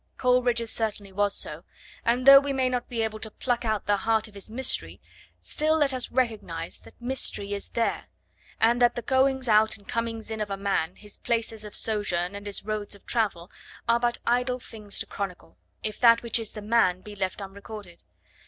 Coleridge's certainly was so, and though we may not be able to pluck out the heart of his mystery, still let us recognise that mystery is there; and that the goings out and comings in of a man, his places of sojourn and his roads of travel are but idle things to chronicle, if that which is the man be left unrecorded.